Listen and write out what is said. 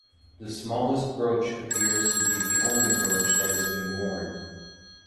The smallest brooch appears to be the only brooch that has been worn.